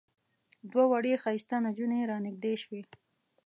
دوه وړې ښایسته نجونې را نږدې شوې.